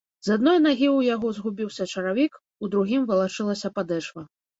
З адной нагі ў яго згубіўся чаравік, у другім валачылася падэшва.